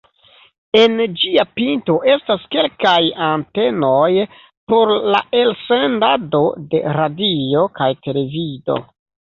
En ĝia pinto estas kelkaj antenoj por la elsendado de radio kaj televido.